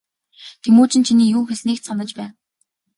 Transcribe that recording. Тэмүжин чиний юу хэлснийг ч санаж байна.